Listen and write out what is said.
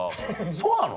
そうなの？